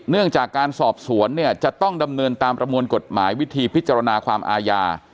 จากการสอบสวนเนี่ยจะต้องดำเนินตามประมวลกฎหมายวิธีพิจารณาความอาญา